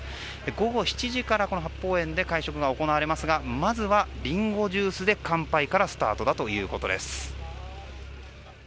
午後７時から八芳園で会食が行われますがまずはリンゴジュースで乾杯からスタートだということです。